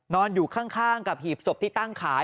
นอนอยู่ข้างกับหีบศพที่ตั้งขาย